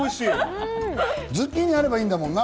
ズッキーニがあればいいんだもんな。